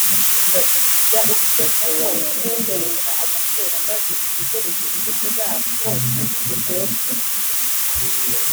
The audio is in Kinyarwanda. Jya ubwitaho nk’uhinga agatera, maze utegereze imbuto zabwo ziryoshye;